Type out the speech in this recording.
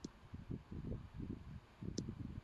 • ته لکه د باد نازک احساس یې.